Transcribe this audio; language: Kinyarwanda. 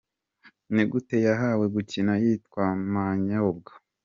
Ni gute yahawe gukina yitwa Manyobwa?.